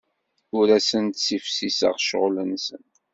Ur asent-ssifsiseɣ ccɣel-nsen.